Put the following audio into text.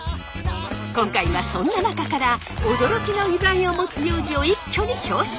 今回はそんな中から驚きの由来を持つ名字を一挙に表彰。